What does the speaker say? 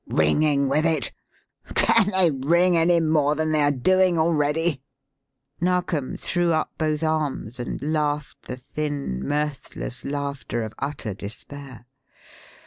"Ringing with it? Can they 'ring' any more than they are doing already?" Narkom threw up both arms and laughed the thin, mirthless laughter of utter despair.